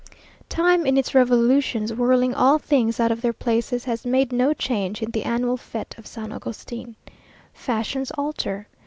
Time, in its revolutions whirling all things out of their places, has made no change in the annual fête of San Agustin. Fashions alter.